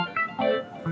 aduh aku bisa